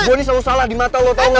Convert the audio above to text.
gue nih selalu salah di mata lo tau gak